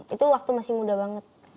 itu waktu masih muda banget